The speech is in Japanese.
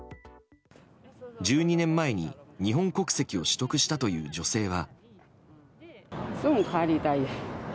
１２年前に日本国籍を取得したという女性は。